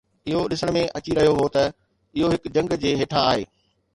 اهو ڏسڻ ۾ اچي رهيو هو ته اهو هڪ جهنگ جي هيٺان آهي